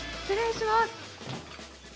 失礼します。